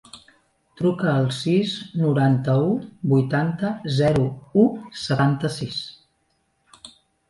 Truca al sis, noranta-u, vuitanta, zero, u, setanta-sis.